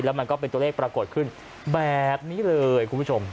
แล้วมันก็เป็นตัวเลขปรากฏขึ้นแบบนี้เลยคุณผู้ชม